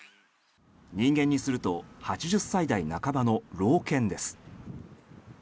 人間にすると８０歳代半ばの老犬です。